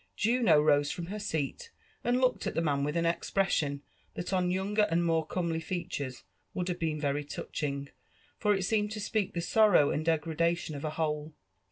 ^uno rose from her seat, and looked at the naan with an expression that on younger and more comely features would have been very touching, for it seemed to speak the sorrow and degradation of a whole mee.